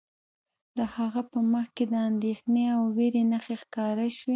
د هغه په مخ کې د اندیښنې او ویرې نښې ښکاره شوې